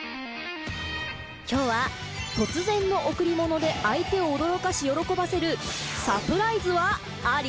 きょうは突然の贈り物で相手を驚かし、喜ばせるサプライズはあり？